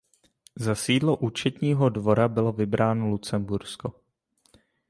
Za sídlo Účetního dvora bylo vybráno Lucembursko.